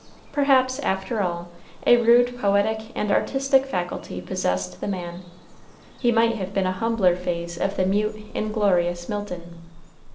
Perhaps, after all, a rude poetic and artistic faculty possessed the man. He might have been a humbler phase of the "mute, inglorious Milton."